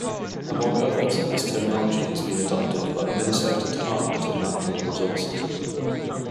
Among others, this terminology has been adopted by the Minnesota Department of Natural Resources.